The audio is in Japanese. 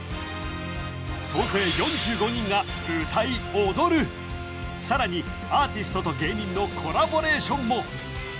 総勢４５人が歌い踊るさらにアーティストと芸人のコラボレーションもＵＴＡＧＥ！